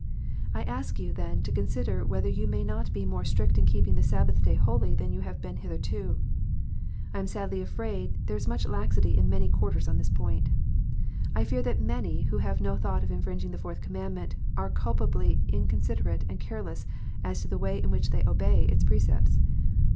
I ask you, then, to consider whether you may not be more strict in keeping the Sabbath Day holy than you have been hitherto. I am sadly afraid there is much laxity in many quarters on this point. I fear that many who have no thought of infringing the Fourth Commandment, are culpably incon siderate and careless as to the way in which they obey its precepts.